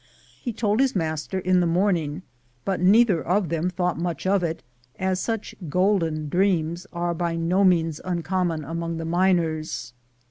He told his master in the morning, but neither of them thought much of it, as such golden dreams are by no means uncommon among the miners.